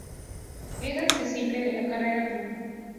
Es accesible de la carretera no.